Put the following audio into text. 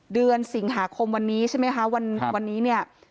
เดือนสิงหาคมวันนี้ใช่ไหมคะวันนี้เนี่ย